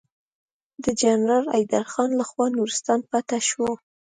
د جنرال حيدر خان لخوا نورستان فتحه شو.